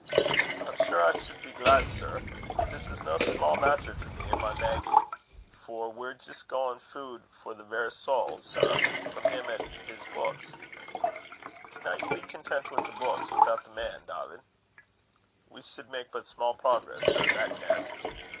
"I'm sure I sud be glaid, sir; but this is no sma' maitter to me an' my Maggie, for we're jist gettin' food for the verra sowl, sir, frae him an' his beuks." "Cudna ye be content wi the beuks wi'out the man, Dawvid?" "We sud mak' but sma' progress, sir, that get."